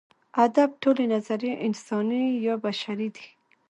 ادب ټولې نظریې انساني یا بشري دي.